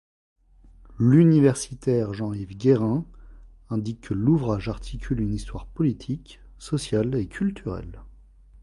L'universitaire Jean-Yves Guerin indique que l'ouvrage articule une histoire politique, sociale et culturelle.